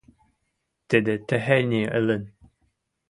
Тӹдӹ техеньӹ ылын: